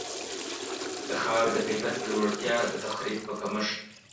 د خاورې د کیفیت په لوړتیا، د تخریب په کمښت.